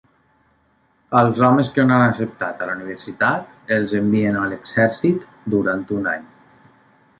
Als homes que no han acceptat a la universitat els envien a l'exèrcit durant un any.